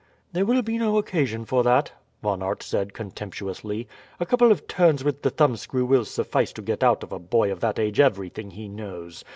"There will be no occasion for that," Von Aert said contemptuously. "A couple of turns with the thumbscrew will suffice to get out of a boy of that age everything he knows.